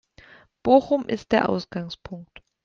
Bochum ist der Ausgangspunkt.